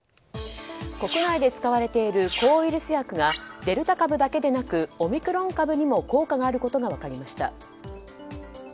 国内で使われている抗ウイルス薬がデルタ株だけでなくオミクロン株にも効果があることが分かりました。